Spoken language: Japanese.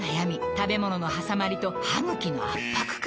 食べ物のはさまりと歯ぐきの圧迫感